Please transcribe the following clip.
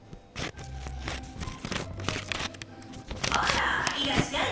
あらいらっしゃい。